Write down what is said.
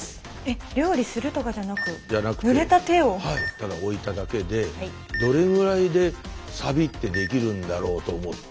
ただ置いただけでどれぐらいでサビってできるんだろうと思って。